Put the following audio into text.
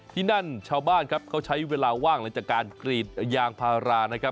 ที่นั่นชาวบ้านเขาใช้เวลาว่างหลังจากการกรีดยางพารา